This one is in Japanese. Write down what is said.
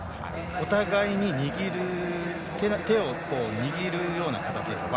お互いに手を握るような形ですね。